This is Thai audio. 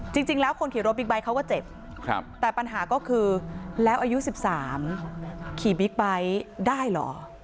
จริงแล้วคนขี่รถบิ๊กไบท์เขาก็เจ็บแต่ปัญหาก็คือแล้วอายุ๑๓ขี่บิ๊กไบท์ได้เหรอ